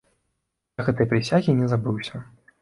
Я гэтай прысягі не забыўся.